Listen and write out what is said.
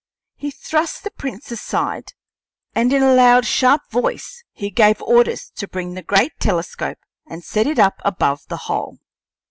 He thrust the prints aside, and in a loud, sharp voice he gave orders to bring the great telescope and set it up above the hole.